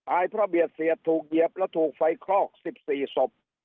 ไอ้พระเบียดเสียดถูกเหยียบและถูกไฟคลอกสิบสี่ศพ